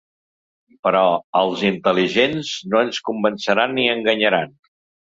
Però als intel·ligents no ens convenceran ni enganyaran.